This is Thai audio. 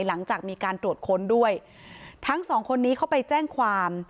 หลังจากมีการตรวจค้นด้วยทั้งสองคนนี้เข้าไปแจ้งความ